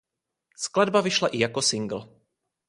Skladba vyšla i jako singl.